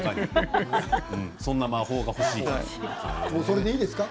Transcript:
そんな魔法が欲しいですね。